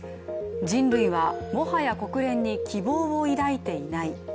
人類は、もはや国連に希望を抱いていない。